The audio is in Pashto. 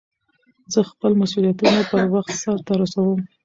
زه خپل مسئولیتونه پر وخت سرته رسوم.